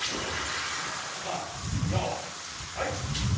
・本番よいはい！